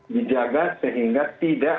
dijaga sehingga tidak